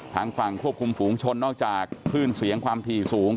ทางฝั่งควบคุมฝูงชนนอกจากคลื่นเสียงความถี่สูง